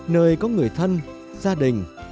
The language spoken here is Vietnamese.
nơi có người thân gia đình